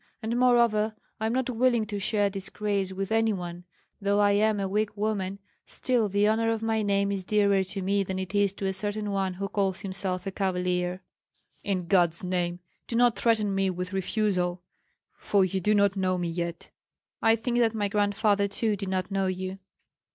And moreover I am not willing to share disgrace with any one; though I am a weak woman, still the honor of my name is dearer to me than it is to a certain one who calls himself a cavalier." "In God's name, do not threaten me with refusal, for you do not know me yet." "I think that my grandfather too did not know you."